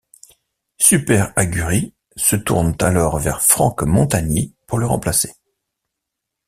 Super Aguri se tourne alors vers Franck Montagny pour le remplacer.